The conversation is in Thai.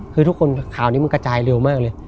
คือทุกคนข่าวนี้มันกระจายเร็วมากเลย